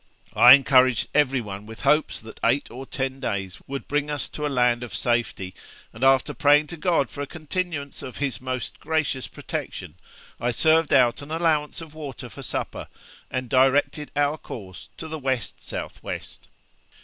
I encouraged every one with hopes that eight or ten days would bring us to a land of safety; and, after praying to God for a continuance of His most gracious protection, I served out an allowance of water for supper, and directed our course to the west south west.